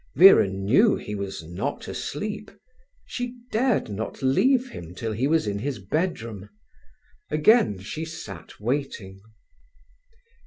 Vera knew he was not asleep. She dared not leave him till he was in his bedroom. Again she sat waiting.